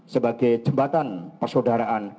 sebagai jembatan persaudaraan